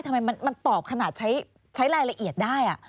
ทำไมมันตอบขนาดใช้รายละเอียดได้